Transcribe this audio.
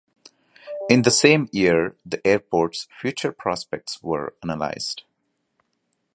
In the same year, the airport's future prospects were analysed.